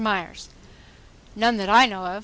MYERS: None that I know of.